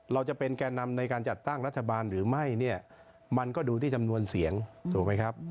เราจะเป็นแก่นำในการจัดตั้งรัฐบาลหรือไม่เนี่ยมันก็ดูที่จำนวนเสียงถูกไหมครับ